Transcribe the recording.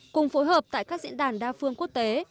cùng phối hợp tại các diễn đàn đa phương quốc tế